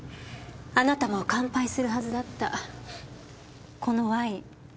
あなたも乾杯するはずだったこのワイン。